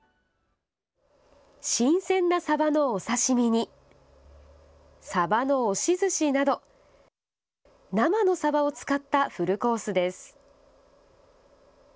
新鮮なサバのお刺身にサバの押しずしなど生のサバを使ったフルコースです。